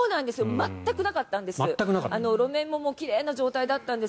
全くなかったんです。